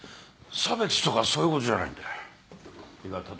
差別とかそういうことじゃないんだ。